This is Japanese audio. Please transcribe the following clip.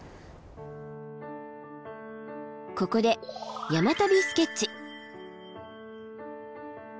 ここで「山旅スケッチ」。